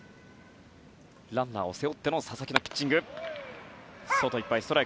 ランナーを背負っての佐々木のピッチング。